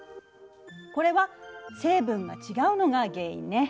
これは成分が違うのが原因ね。